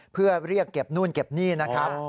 เพื่อเรียกเก็บนู่นเก็บนี่นะครับ